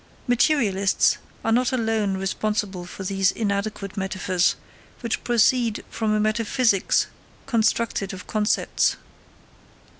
Materialists are not alone responsible for these inadequate metaphors, which proceed from a metaphysics constructed of concepts.